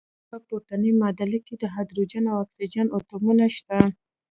په پورتني معادله کې د هایدروجن او اکسیجن اتومونه شته.